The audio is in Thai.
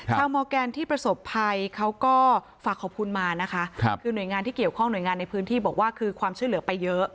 มอร์แกนที่ประสบภัยเขาก็ฝากขอบคุณมานะคะคือหน่วยงานที่เกี่ยวข้องหน่วยงานในพื้นที่บอกว่าคือความช่วยเหลือไปเยอะ